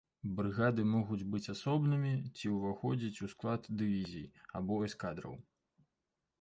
Брыгады могуць быць асобнымі ці ўваходзіць у склад дывізій або эскадраў.